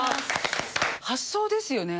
発想ですよね